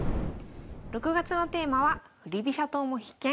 ６月のテーマは「振り飛車党も必見！